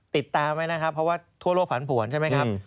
ติดตามไว้นะครับเพราะว่าทั่วโลกผันผวนใช่ไหมครับ